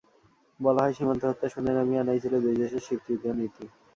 বলা হয়, সীমান্ত হত্যা শূন্যে নামিয়ে আনাই ছিল দুই দেশের স্বীকৃত নীতি।